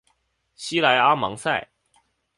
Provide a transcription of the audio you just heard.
西莱阿芒塞。